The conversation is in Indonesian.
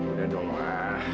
udah dong ma